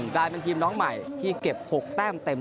กลายเป็นทีมน้องใหม่ที่เก็บ๖แต้มเต็ม